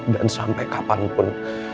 dan sampai kapanpun